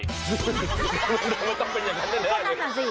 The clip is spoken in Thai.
มันต้องเป็นอย่างนั้นกัน